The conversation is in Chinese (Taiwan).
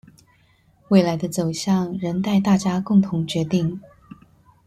未來的走向仍待大家共同決定